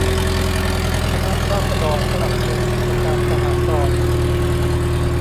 คณะราษฎรสนับสนุนกิจการสหกรณ์